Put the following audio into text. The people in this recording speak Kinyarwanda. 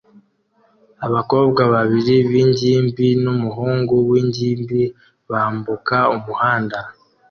Abakobwa babiri b'ingimbi n'umuhungu w'ingimbi bambuka umuhanda